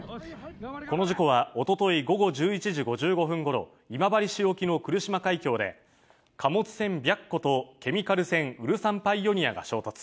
この事故は、おととい午後１１時５５分ごろ、今治市沖の来島海峡で、貨物船、白虎と、ケミカル船ウルサン・パイオニアが衝突。